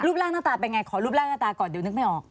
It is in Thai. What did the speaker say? ร่างหน้าตาเป็นไงขอรูปร่างหน้าตาก่อนเดี๋ยวนึกไม่ออก